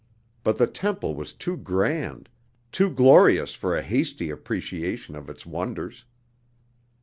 But the temple was too grand, too glorious for a hasty appreciation of its wonders.